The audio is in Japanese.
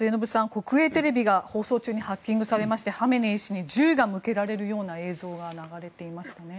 国営テレビが放送中にハッキングされましてハメネイ師に銃が向けられるような映像が流れていましたね。